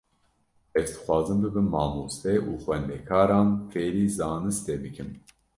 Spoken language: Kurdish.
Ez dixwazim bibim mamoste û xwendekaran fêrî zanistê bikim.